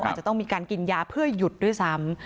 อาจจะต้องมีการกินยาเพื่อหยุดด้วยซ้ำ